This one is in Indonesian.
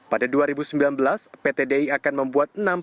pada dua ribu sembilan belas pt di akan membuat enam pesawat n dua